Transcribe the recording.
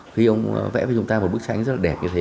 khi ông vẽ với chúng ta một bức tranh rất là đẹp như thế